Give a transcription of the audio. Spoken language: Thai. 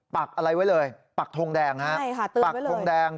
ักอะไรไว้เลยปักทงแดงฮะปักทงแดง